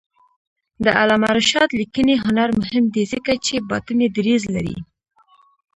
د علامه رشاد لیکنی هنر مهم دی ځکه چې باطني دریځ لري.